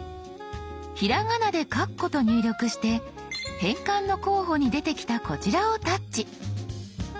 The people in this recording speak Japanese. ひらがなで「かっこ」と入力して変換の候補に出てきたこちらをタッチ。